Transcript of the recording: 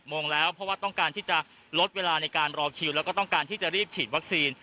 โมงแล้วเพราะว่าต้องการที่จะลดเวลาในการรอคิวแล้วก็ต้องการที่จะรีบฉีดวัคซีน